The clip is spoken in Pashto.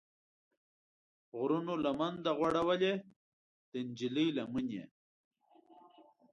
غرونو لمن ده غوړولې، د نجلۍ لمن یې